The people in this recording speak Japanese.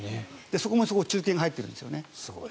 そこもすごい中継が入っているんですよね。